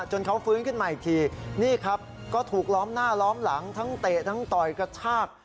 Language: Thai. จนเขาฟื้นขึ้นมาอีกทีนี่ครับก็ถูกล้อมหน้าล้อมหลังทั้งเตะทั้งต่อยกระชาก